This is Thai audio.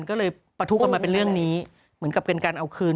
ก็เลยประทุกันมาเป็นเรื่องนี้เหมือนกับเป็นการเอาคืน